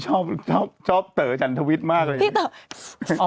ชอบเต๋อจันทวิทมากเลย